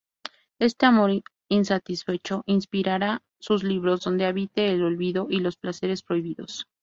Este amor insatisfecho inspirará sus libros "Donde habite el olvido" y "Los placeres prohibidos".